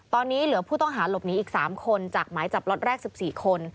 ตอนนี้เหลือผู้ต้องหาหลบหนีอีก๓คนจากหมายจับล็อตแรก๑๔คน